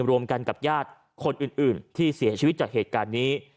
รวมกันกับญาติคนอื่นที่เสียชีวิตจากเหตุการณ์นี้